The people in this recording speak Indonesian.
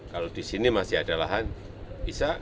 kalau di sini masih ada lahan bisa